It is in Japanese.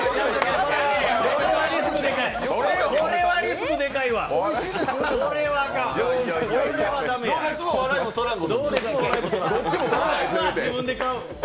これはリスクでかいわ、やめとく。